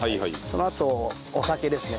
そのあとお酒ですね。